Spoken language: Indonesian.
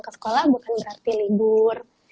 ke sekolah bukan berarti libur